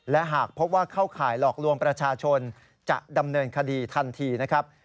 และหากพบว่าเข้าข่ายหลอกลวงประชาชนจะดำเนินคดีทันทีนะครับ